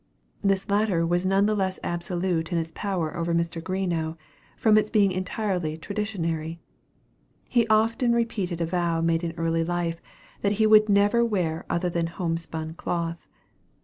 This latter was none the less absolute in its power over Mr. Greenough, from its being entirely traditionary. He often repeated a vow made in early life, that he would never wear other than "homespun" cloth.